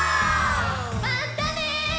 まったね！